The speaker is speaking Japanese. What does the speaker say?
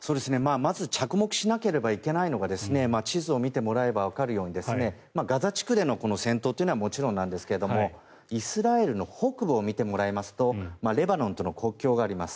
まず着目しなければいけないのが地図を見てもらえばわかるようにガザ地区での戦闘というのはもちろんなんですがイスラエルの北部を見てもらいますとレバノンとの国境があります。